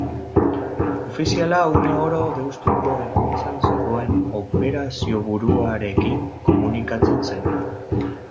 Ofiziala une oro Deustuko egoitzan zegoen operazioburuarekin komunikatzen zen.